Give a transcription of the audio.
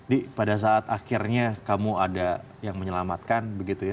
di pada saat akhirnya kamu ada yang menyelamatkan